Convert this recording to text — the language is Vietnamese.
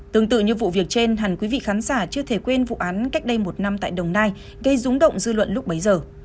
tương tự như vụ việc trên hẳn quý vị khán giả chưa thể quên vụ án cách đây một năm tại đồng nai gây rúng động dư luận lúc bấy giờ